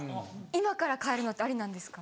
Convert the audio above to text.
今から変えるのってありなんですか？